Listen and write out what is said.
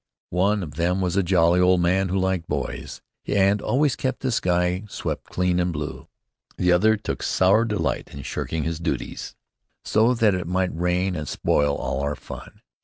One of them was a jolly old man who liked boys, and always kept the sky swept clean and blue. The other took a sour delight in shirking his duties, so that it might rain and spoil all our fun.